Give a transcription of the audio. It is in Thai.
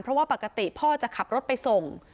เพราะว่าปกติพ่อจะขับรถไปส่ง